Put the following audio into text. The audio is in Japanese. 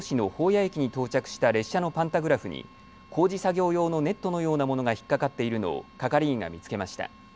谷駅に到着した列車のパンタグラフに工事作業用のネットのようなものが引っ掛かっているのを係員が見つけました。